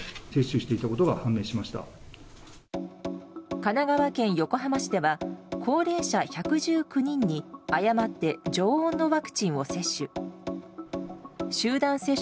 神奈川県横浜市では高齢者１１９人に誤って常温のワクチンを接種。